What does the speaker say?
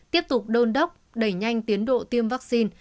tiếp tục đôn đốc đẩy nhanh tiến độ tiêm vaccine